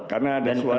karena ada suara